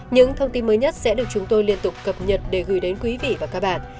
những thông tin mới nhất sẽ được chúng tôi liên tục cập nhật để gửi đến quý vị và các bạn